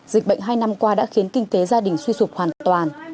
dịch bệnh hai năm qua đã khiến kinh tế gia đình suy sụp hoàn toàn